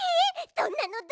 どんなの？